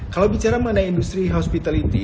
kalau bicara mengenai industri hospitality